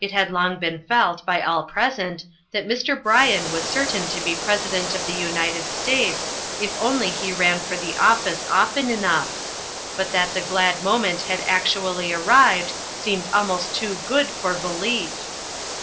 It had long been felt by all present that Mr. Bryan was certain to be President of the United States if only he ran for the office often enough, but that the glad moment had actually arrived seemed almost too good for belief.